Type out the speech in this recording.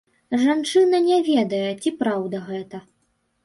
Жанчына не ведае, ці праўда гэта.